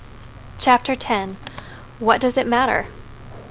CHAPTER X WHAT DOES IT MATTER?